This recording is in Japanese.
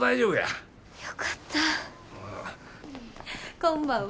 こんばんは。